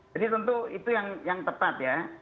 jadi tentu itu yang tepat ya